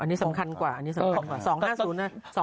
อันนี้สำคัญกว่าอันนี้สำคัญกว่า๒๕๐นะ